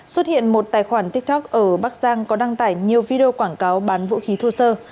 xuất hiện một tài khoản tiktok ở bắc giang có đăng tải nhiều video quảng cáo bán vũ khí thô sơ